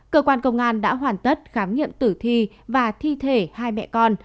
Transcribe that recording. cơ quan công an đã hoàn tất khám nghiệm tử thi và thi thể hai mẹ con